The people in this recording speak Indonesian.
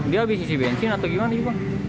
dia abis isi bensin atau gimana ibu